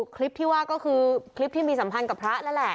คลิปที่ว่าก็คือคลิปที่มีสัมพันธ์กับพระนั่นแหละ